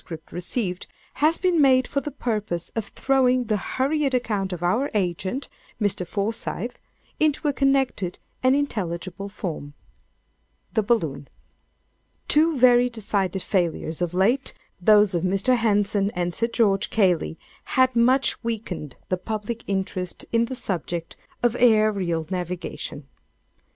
received, has been made for the purpose of throwing the hurried account of our agent, Mr. Forsyth, into a connected and intelligible form. "THE BALLOON. "Two very decided failures, of late—those of Mr. Henson and Sir George Cayley—had much weakened the public interest in the subject of aerial navigation.